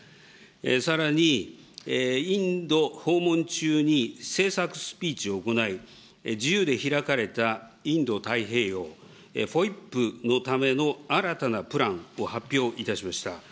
さらに、インド訪問中に政策スピーチを行い、自由で開かれたインド太平洋、ＦＯＩＰのための新たなプランを発表いたしました。